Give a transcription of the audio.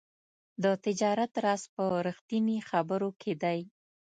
د تجارت راز په رښتیني خبرو کې دی.